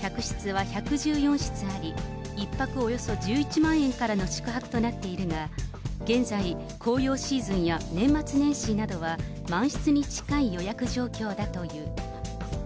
客室は１１４室あり、１泊およそ１１万円からの宿泊となっているが、現在、紅葉シーズンや年末年始などは満室に近い予約状況だという。